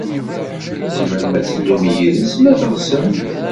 Tzemrem ad teddum yid-s, ma teɣsem.